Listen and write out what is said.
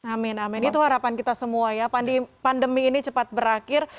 amin amin itu harapan kita semua ya pandemi ini cepat berakhir